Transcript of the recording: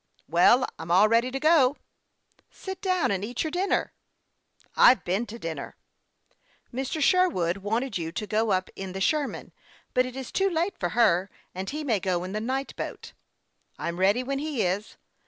" Well, I'm all ready to go." " Sit down and eat your dinner." " I've been to dinner." " Mr. Sherwood wanted you to go up in the Sher man ; but it is too late for her, and he may go in the night boat." " I'm ready when he is.